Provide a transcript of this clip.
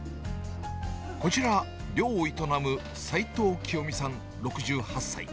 こちら、寮を営む、齊藤きよみさん６８歳。